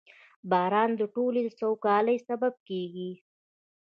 • باران د ټولنې د سوکالۍ سبب کېږي.